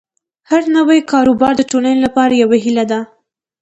هر نوی کاروبار د ټولنې لپاره یوه هیله ده.